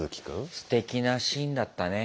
すてきなシーンだったね。